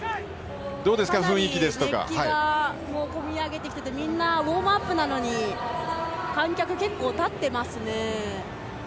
かなり熱気が込み上げてきていてみんなウォームアップなのに観客、結構立っていますね。